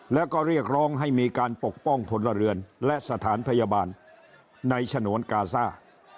แล้วก็เรียกร้องให้มีการปกป้องพลเรือนและสถานพยาบาลในฉนวนกาซ่า